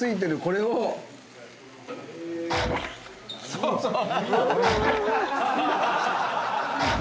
そうそう。